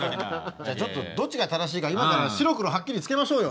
じゃあちょっとどっちが正しいか今から白黒はっきりつけましょうよ。